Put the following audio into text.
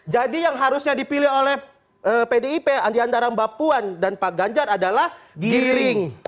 jadi yang harusnya dipilih oleh pdip diantara mbak puan dan pak ganjar adalah giring